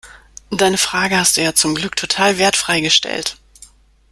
Deine Frage hast du ja zum Glück total wertfrei gestellt.